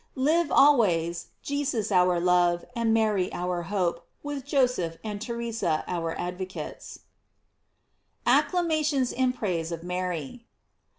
Live always, Jesus our love and Mary our hope, with Joseph and Theresa our advocates ACCLAMATIONS IN PRAISE OF MARY.